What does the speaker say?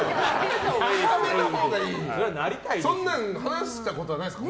そんな話したことはないですか？